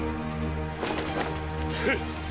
フッ。